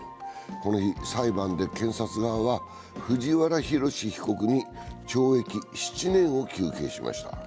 この日、裁判で検察側は藤原宏被告に懲役７年を求刑しました。